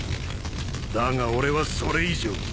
だが俺はそれ以上。